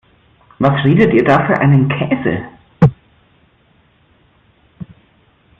Was redet ihr da für einen Käse?